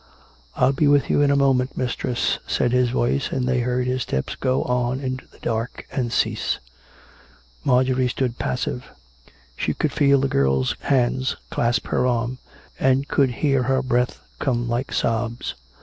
" I'll be with you in a moment, mistress," said his voice ; and they heard his steps go on into the dark and cease. Marjorie stood passive; she could feel the girl's hands clasp her arm, and could hear her breath come like sobs.